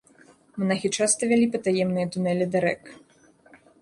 Манахі часта вялі патаемныя тунэлі да рэк.